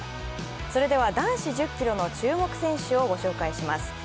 それでは男子１０ｋｍの注目選手を見ていきます。